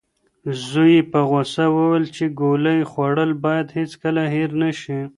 زوی یې په غوسه وویل چې ګولۍ خوړل باید هیڅکله هېر نشي.